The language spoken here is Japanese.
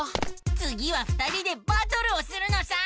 つぎは２人でバトルをするのさ！